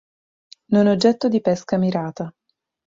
Non è oggetto di pesca mirata.